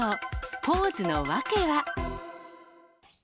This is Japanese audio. ポーズの訳は。